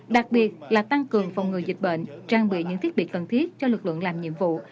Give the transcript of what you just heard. đặc biệt là tăng cường phòng ngừa dịch bệnh trang bị những thiết bị cần thiết cho lực lượng làm nhiệm vụ